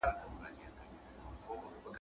لکه په مني کي له وني رژېدلې پاڼه `